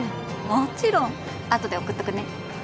もちろんあとで送っとくね